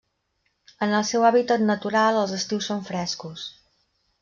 En el seu hàbitat natural els estius són frescos.